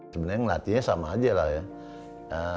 sebenernya ngelatihnya sama aja lah ya